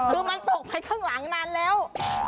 คือมันตกไปข้างหลังนานแล้ว